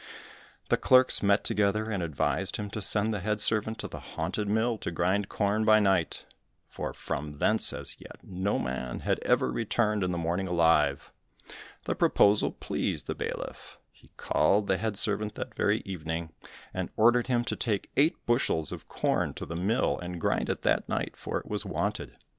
The clerks met together and advised him to send the head servant to the haunted mill to grind corn by night, for from thence as yet no man had ever returned in the morning alive. The proposal pleased the bailiff, he called the head servant that very evening, and ordered him to take eight bushels of corn to the mill, and grind it that night, for it was wanted.